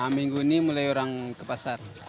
minggu ini mulai orang ke pasar